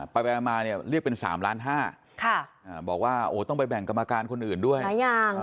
ไปมาเรียกเป็น๓ล้าน๕บาทบอกว่าต้องไปแบ่งกรรมการคนอื่นด้วย